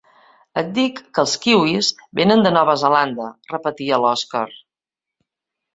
Et dic que els kiwis venen de Nova Zelanda —repetia l'Oskar.